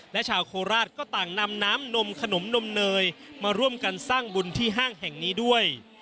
และชาวโคราชก็ต่างนำน้ำนมขนมนมเนยมาร่วมกันสร้างบุญที่ห้างแห่งนี้ด้วย